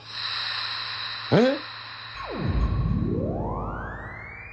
えっ？